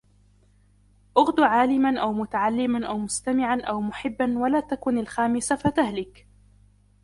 اُغْدُ عَالِمًا أَوْ مُتَعَلِّمًا أَوْ مُسْتَمِعًا أَوْ مُحِبًّا وَلَا تَكُنْ الْخَامِسَ فَتَهْلِكَ